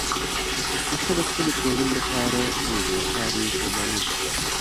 نیکه د خپلې کورنۍ لپاره یوه بېساري قرباني ده.